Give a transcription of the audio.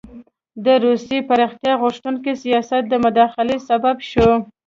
د روسیې پراختیا غوښتونکي سیاست د مداخلې سبب شو.